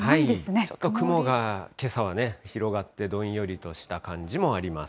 ちょっと雲がけさはね、広がってどんよりとした感じもあります。